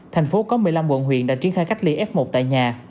tp hcm có một mươi năm quận huyện đã triển khai cách ly f một tại nhà